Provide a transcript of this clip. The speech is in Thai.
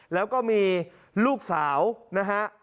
แล้วก็มีลูกสาวนะฮะ